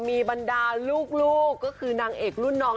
มีบรรดาลูกก็คือนางเอกรุ่นน้อง